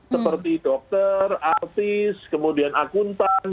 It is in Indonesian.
seperti dokter artis kemudian akuntan